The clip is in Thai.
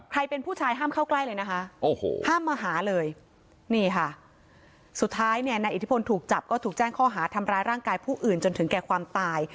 ใครเป็นผู้ชายห้ามเข้าใกล้เลยนะคะห้ามมาหาเลยนี่ค่ะสุดท้ายเนี่ยนายอิทธิพลถูกจับก็ถูกแจ้งข้อหาทำร้ายร่างกายผู้อื่นจนถึงแก่ความตาย